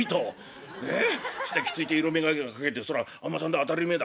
ステッキついて色眼鏡をかけてそらあんまさんだ当たり前だ。